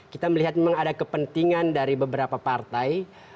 kita melihat memang ada kepentingan dari beberapa partai